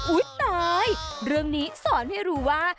ตายเรื่องนี้สอนให้รู้ว่า